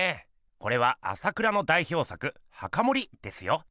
これは朝倉の代表作「墓守」ですよ。